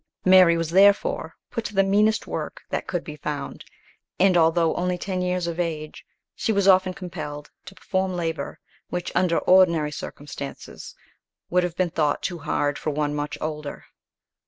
Mary was, therefore, put to the meanest work that could be found, and although only ten years of age, she was often compelled to perform labour, which, under ordinary circumstances, would have been thought too hard for one much older.